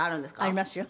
ありますよ。